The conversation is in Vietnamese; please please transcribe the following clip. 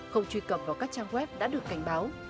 không truy cập vào các trang web đã được cảnh báo